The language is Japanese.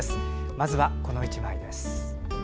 まずはこの１枚です。